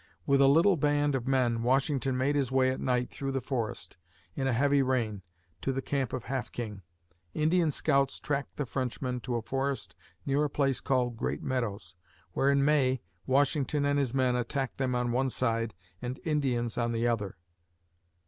With a little band of men, Washington made his way by night through the forest, in a heavy rain, to the camp of Half King. Indian scouts tracked the Frenchmen to a forest near a place called Great Meadows, where, in May, Washington and his men attacked them on one side and the Indians on the other.